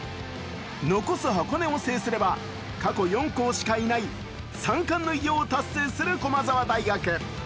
残す箱根を制すれば、過去４校しかいない三冠の偉業を達成する駒沢大学。